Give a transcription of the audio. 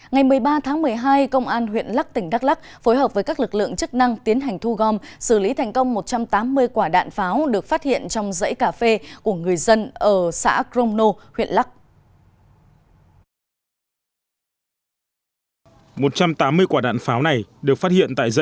ngày một mươi ba tháng một mươi hai công an huyện lắc tỉnh đắk lắc phối hợp với các lực lượng chức năng tiến hành thu gom xử lý thành công một trăm tám mươi quả đạn pháo được phát hiện trong dãy cà phê của người dân ở xã crono huyện lắc